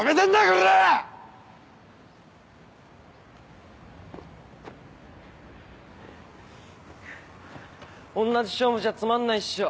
おんなじ勝負じゃつまんないっしょ。